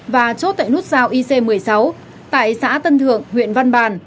và chốt tại nút giao ic một mươi sáu tại xã tân thượng huyện văn bàn